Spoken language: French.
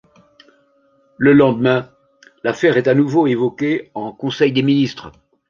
Le lendemain, l'affaire est à nouveau évoquée en conseil des ministres.